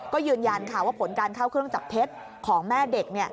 ก็ยืนยันค่ะว่าผลการเข้าเครื่องจับเท็จของแม่เด็ก